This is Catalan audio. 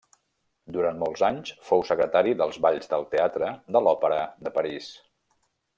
Durant molts anys fou secretari dels balls del teatre de l'Òpera de París.